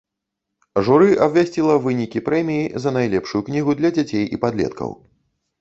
Журы абвясціла вынікі прэміі за найлепшую кнігу для дзяцей і падлеткаў.